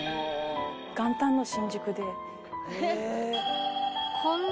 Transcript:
「元旦の新宿で」